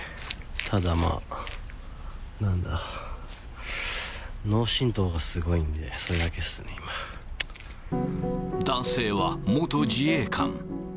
ただまあ、なんだ、脳震とうがすごいんで、それだけっすね、男性は元自衛官。